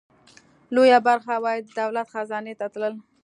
لویه برخه عواید د دولت خزانې ته تلل.